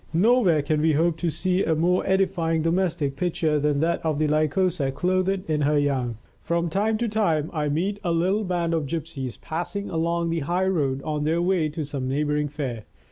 No where can we hope to see a more edifying domestic picture than that of the Lycosa clothed in her young. From time to time, I meet a little band of gipsies passing along the high road on their way to some neighboring fair.